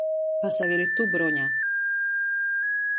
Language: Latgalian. Pasaver i tu, Broņa...